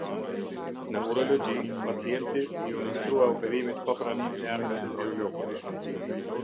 Në Urologji, pacienti iu nënshtrua operimit pa praninë e anesteziologut.